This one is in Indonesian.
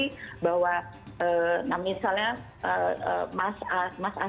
dan mereka sudah apa namanya tercatat sehingga mereka akan tinggal diberikan informasi